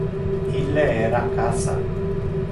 Ille era a casa.